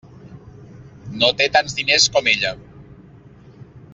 No té tants diners com ella.